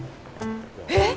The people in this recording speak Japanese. えっ！？